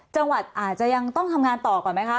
จังหวัดอาจจะยังต้องทำงานต่อก่อนไหมคะ